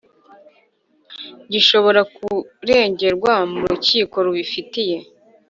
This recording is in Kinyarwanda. gishobora kuregerwa mu rukiko rubifitiye